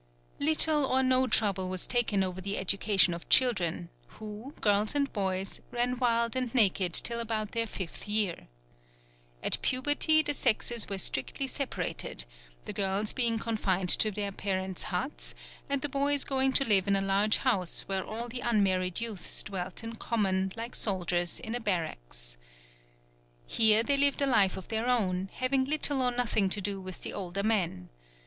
Little or no trouble was taken over the education of children, who, girls and boys, ran wild and naked till about their fifth year. At puberty the sexes were strictly separated; the girls being confined to their parents' huts, and the boys going to live in a large house where all the unmarried youths dwelt in common like soldiers in a barracks. Here they lived a life of their own, having little or nothing to do with the older men.